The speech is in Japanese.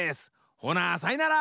ほなさいなら！